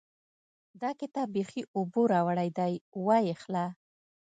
دا کتاب بېخي اوبو راوړی دی؛ وايې خله.